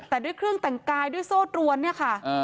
แต่ด้วยเครื่องแต่งกายด้วยโซ่ตรวนเนี่ยค่ะ